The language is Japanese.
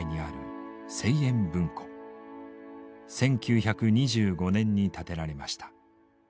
１９２５年に建てられました。